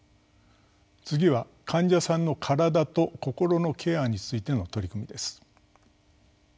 次は患者さんの身体と心のケアについての取り組みです。